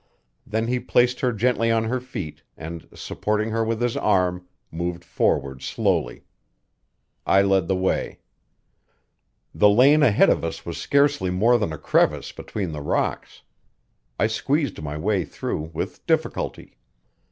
Then he placed her gently on her feet, and, supporting her with his arm, moved forward slowly. I led the way. The lane ahead of us was scarcely more than a crevice between the rocks; I squeezed my way through with difficulty.